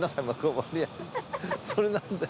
それなんで。